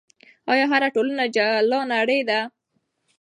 آیا هره ټولنه جلا نړۍ ده؟